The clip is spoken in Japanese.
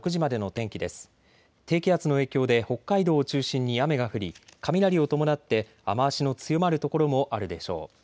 低気圧の影響で北海道を中心に雨が降り雷を伴って雨足の強まる所もあるでしょう。